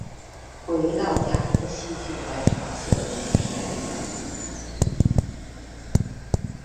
回到家又心血来潮写了一篇文